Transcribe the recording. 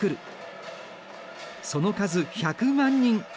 その数１００万人。